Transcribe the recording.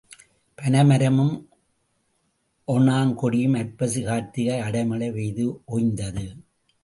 பனைமரமும் ஒணாங்கொடியும் ஐப்பசி கார்த்திகை அடைமழை பெய்து ஒய்ந்தது.